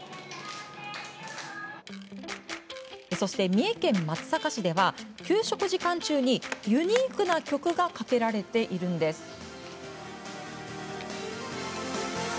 そして、三重県松阪市では給食時間中にユニークな曲がかけられているんです。